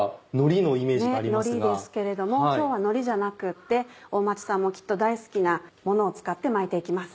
海苔ですけれども今日は海苔じゃなくって大町さんもきっと大好きなものを使って巻いて行きます。